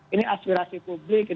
ini aspirasi publik